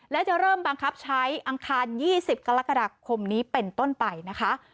และจะเริ่มบังคับใช้อังคาร๒๐กรกฎาคมนี้เป็นต้นไปนะคะ